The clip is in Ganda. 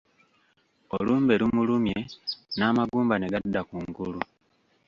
Olumbe lumulumye n'amagumba ne gadda ku ngulu.